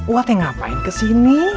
wateng ngapain kesini